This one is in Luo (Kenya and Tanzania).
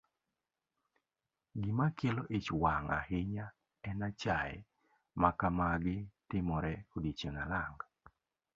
Gima kelo ich wang' ahinya en achaye ma kamagi timore odichieng' alanga.